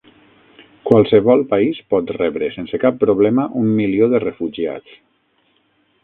Qualsevol país pot rebre sense cap problema un milió de refugiats.